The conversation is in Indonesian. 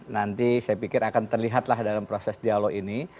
nanti saya pikir akan terlihatlah dalam proses dialog ini